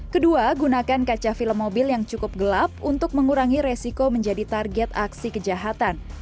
kedua gunakan kaca film mobil yang cukup gelap untuk mengurangi resiko menjadi target aksi kejahatan